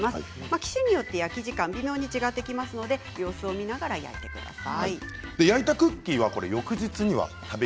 生地によって焼き時間は微妙に違ってきますので機種によって違うので様子を見ながら焼いてください。